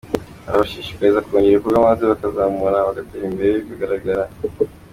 Arabashishikariza kongera ibikorwa maze bakazamuka bagatera imbere bigaragara.